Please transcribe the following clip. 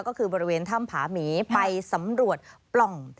ก็คือบริเวณถ้ำผาหมีไปสำรวจปล่อง